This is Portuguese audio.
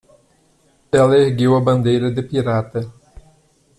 Ela ergueu a bandeira de pirata.